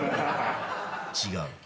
違う？